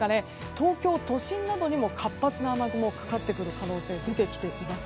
東京都心などにも活発な雨雲がかかってくる可能性が出てきています。